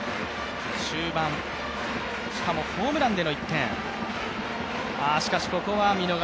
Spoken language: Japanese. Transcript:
終盤、しかもホームランでの１点。